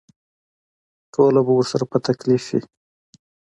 ټول به ورسره په تکلیف وي.